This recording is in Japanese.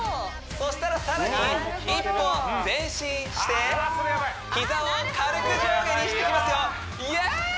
そしたら更に一歩前進してあそれやばい膝を軽く上下にしていきますよイエース！